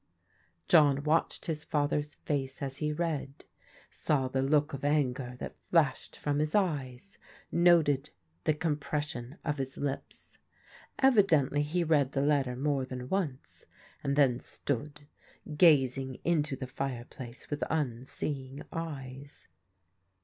John watched his father's face as he read^ saw the look of anger that flashed from his eyes, noted the compression of his lips. Evidently he read the letter more than once, and then stood gazing into the fireplace with unseeing eyes.